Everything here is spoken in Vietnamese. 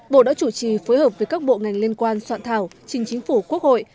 bộ đã chủ trì phối hợp với các bộ ngành liên quan soạn thảo trình chính phủ quốc hội